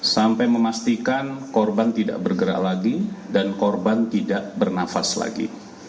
sampai memastikan korban tidak bergerak lagi dan korban tidak bernafas lagi